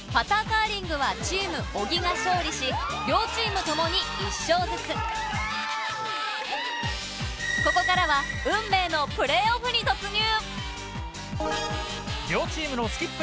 カーリングはチーム小木が勝利し両チーム共に１勝ずつここからは運命のプレーオフに突入！